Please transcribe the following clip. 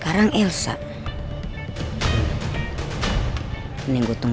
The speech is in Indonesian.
kembali wpc kk relasi